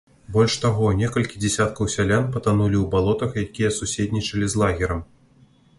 Больш таго, некалькі дзясяткаў сялян патанулі ў балотах, якія суседнічалі з лагерам.